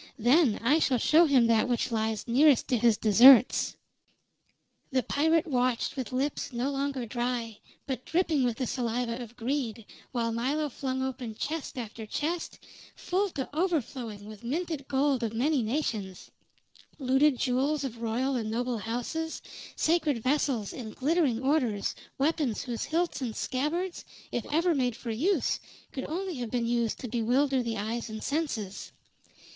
Then I shall show him that which lies nearest to his deserts." The pirate watched with lips no longer dry, but dripping with the saliva of greed, while Milo flung open chest after chest, full to overflowing with minted gold of many nations; looted jewels of royal and noble houses, sacred vessels and glittering orders, weapons whose hilts and scabbards, if ever made for use, could only have been used to bewilder the eye and senses.